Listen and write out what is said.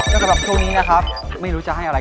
สำหรับช่วงนี้นะครับไม่รู้จะให้อะไร